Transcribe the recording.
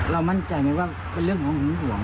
มั่นใจไหมว่าเป็นเรื่องของหึงห่วง